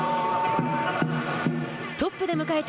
トップで迎えた